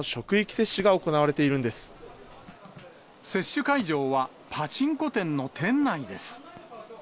接種会場は、パチンコ店の店内です。